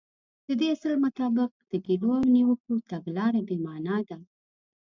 د دې اصل مطابق د ګيلو او نيوکو تګلاره بې معنا ده.